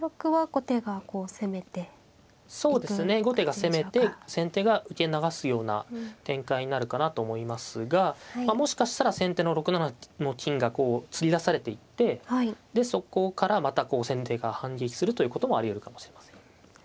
後手が攻めて先手が受け流すような展開になるかなと思いますがもしかしたら先手の６七の金がこう釣り出されていってでそこからまたこう先手が反撃するということもありうるかもしれません。